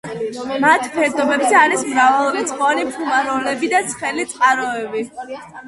მათ ფერდობებზე არის მრავალრიცხოვანი ფუმაროლები და ცხელი წყაროები.